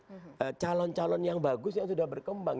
karena calon calon yang bagus yang sudah berkembang